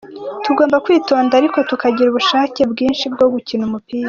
Tugomba kwitonda ariko tukagira ubushake bwinshi bwo gukina umupira.